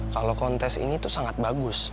kalau kontes ini tuh sangat bagus